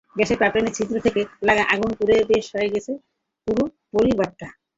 গ্যাসের পাইপলাইনের ছিদ্র থেকে লাগা আগুনে পুড়ে শেষ হয়ে গেল পুরো পরিবারটি।